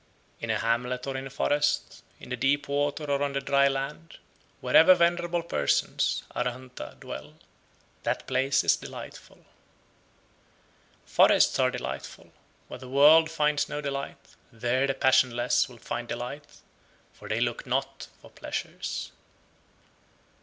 In a hamlet or in a forest, in the deep water or on the dry land, wherever venerable persons (Arhanta) dwell, that place is delightful. 99. Forests are delightful; where the world finds no delight, there the passionless will find delight, for they look not for pleasures.